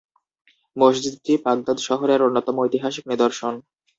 মসজিদটি বাগদাদ শহরের অন্যতম ঐতিহাসিক নিদর্শন।